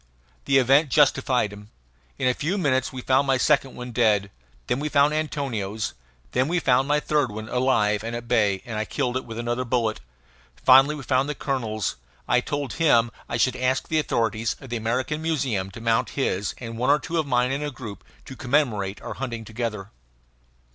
The event justified him. In a few minutes we found my second one dead. Then we found Antonio's. Then we found my third one alive and at bay, and I killed it with another bullet. Finally we found the colonel's. I told him I should ask the authorities of the American Museum to mount his and one or two of mine in a group, to commemorate our hunting together.